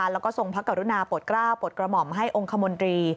แล้วก็ทรงพระกรุณาโปรดกล้าวปลดกระหม่อมให้องค์คมนตรี